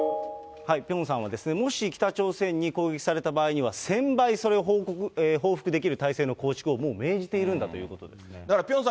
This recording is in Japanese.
ピョンさんはですね、もし北朝鮮に攻撃された場合には、１０００倍、それを報復できる体制の構築をもう命じているんだということですだからピョンさん